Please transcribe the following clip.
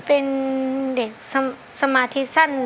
เป็นเด็กสมาธิสั้น